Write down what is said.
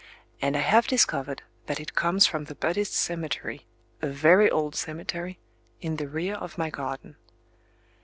And I have discovered that it comes from the Buddhist cemetery,—a very old cemetery,—in the rear of my garden.